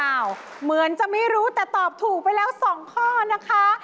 เหมือนจะไม่รู้แต่ตอบถูกไปแล้ว๒ข้อนะคะ